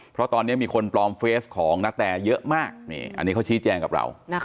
เพราะตอนนี้มีคนปลอมเฟสของนาแตเยอะมากอันนี้เขาชี้แจงกับเรา